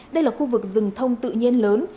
đây là khu vực rừng thông tự nhiên lớn